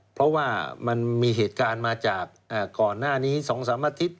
เพราะว่ามันมีเหตุการณ์มาจากก่อนหน้านี้๒๓อาทิตย์